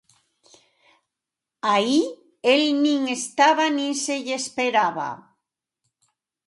Aí el nin estaba nin se lle esperaba.